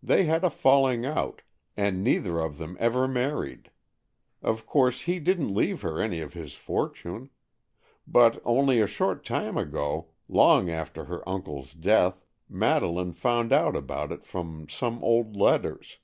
They had a falling out, and neither of them ever married. Of course he didn't leave her any of his fortune. But only a short time ago, long after her uncle's death, Madeleine found out about it from some old letters.